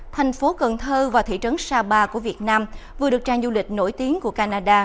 thành phố cần thơ và thị trấn sapa của việt nam vừa được trang du lịch nổi tiếng của canada